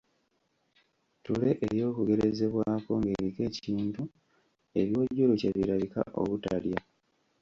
Ttule ey’okugerezebwako ng'eriko ekintu ebiwojjolo kye birabika obutalya.